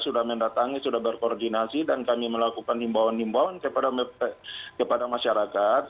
sudah mendatangi sudah berkoordinasi dan kami melakukan himbauan himbauan kepada masyarakat